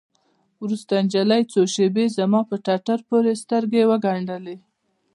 وروسته نجلۍ څو شېبې زما په ټټر پورې سترګې وگنډلې.